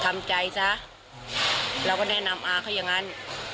บ้านอาก็มีอยู่ทำใจซะเราก็แนะนำอาเขาอย่างนั้น